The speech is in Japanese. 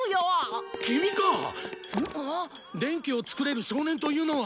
電気を作れる少年というのは。